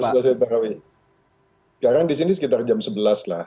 baru selesai terawih sekarang di sini sekitar jam sebelas lah